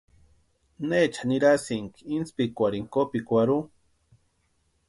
¿Necha nirasïnki intspikwarhini kopikwarhu?